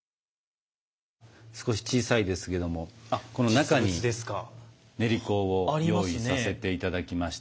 少し小さいですけどもこの中に練香を用意させて頂きました。